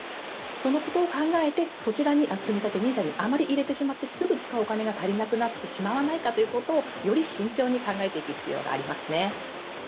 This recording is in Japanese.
そのことを考えて、つみたてＮＩＳＡにあまり入れてしまってすぐ使うお金が足りなくなってしまわないかということをより慎重に考えていく必要がありますね。